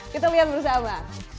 kita lihat bersama